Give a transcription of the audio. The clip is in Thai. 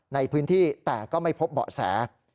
ในพื้นที่แต่ก็ไม่พบเบาะแส